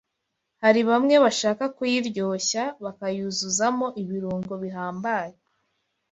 Hari bamwe bashaka kuyiryoshya bakayuzuzamo ibirungo bihambaye